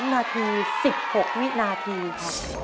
๓นาที๑๖วินาทีครับ